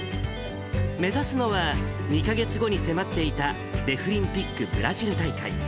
目指すのは２か月後に迫っていた、デフリンピックブラジル大会。